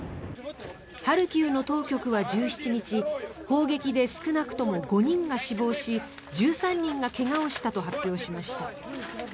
ハルキウの当局は１７日砲撃で少なくとも５人が死亡し１３人が怪我をしたと発表しました。